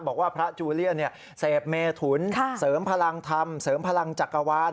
บอกว่าพระจูเลียนเสพเมถุนเสริมพลังธรรมเสริมพลังจักรวาล